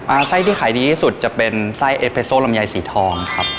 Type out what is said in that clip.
ไส้ที่ขายดีที่สุดจะเป็นไส้เอเพโซลำไยสีทองครับ